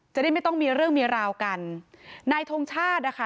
จะได้ไม่ต้องมีเรื่องมีราวกันนายทงชาตินะคะ